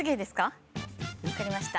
わかりました。